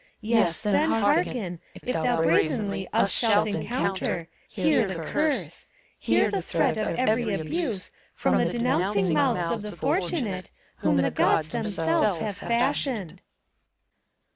Yes, then hearken, if thou brazenly Us shalt encounter, hear the curse, — Hear the threat of every abuse From the denouncing mouths of the Fortunate, Whom the Gods themselves have fashioned